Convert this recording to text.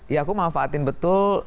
ya aku manfaatin betul